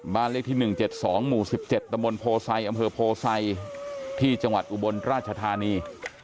บ้านเลขที่๑๗๒หมู่๑๗ตะมนโพไซอำเภอโพไซที่จังหวัดอุบลราชธานี